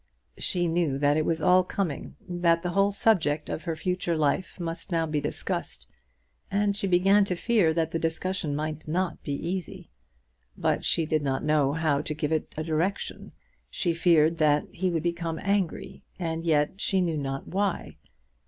She knew that it was all coming; that the whole subject of her future life must now be discussed; and she began to fear that the discussion might not be easy. But she did not know how to give it a direction. She feared that he would become angry, and yet she knew not why.